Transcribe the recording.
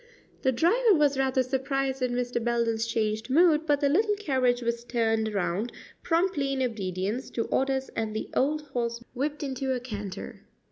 The driver was rather surprised at Mr. Belden's changed mood, but the little carriage was turned round promptly in obedience to orders, and the old horse whipped into a canter.